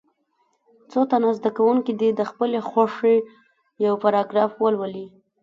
څو تنه زده کوونکي دې د خپلې خوښې یو پاراګراف ولولي.